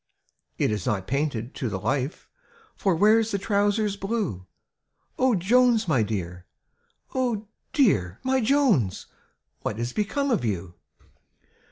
It is not painted to the life, For Where's the trousers blue? O Jones, my dear! — Oh, dearl my Jones, What is become of you?"